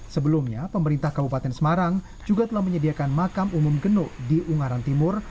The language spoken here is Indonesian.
sebelumnya pemerintah kabupaten semarang juga telah menyediakan makam umum genuk di ungaran timur